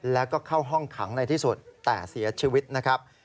แล้วก็เข้าห้องขังในที่สุดแต่เสียชีวิตนะครับ